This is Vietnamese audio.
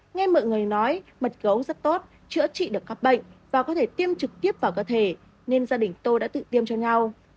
nghe mọi người nói mật gấu rất tốt chữa trị được các bệnh và có thể tiêm trực tiếp vào cơ thể nên gia đình tôi đã tự tiêm cho nhau